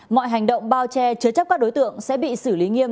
mọi hành động bao che chứa chấp các đối tượng sẽ bị xử lý nghiêm